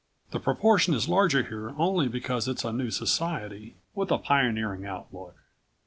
The proportion is larger here only because it's a new society, with a pioneering outlook.